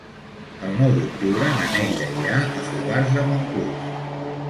El nou d'octubre na Neida irà a Fogars de Montclús.